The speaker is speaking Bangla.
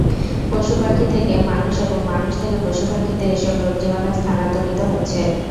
পশুপাখি থেকে মানুষ এবং মানুষ থেকে পশুপাখিতে এসব রোগজীবাণু স্থানান্তরিত হচ্ছে।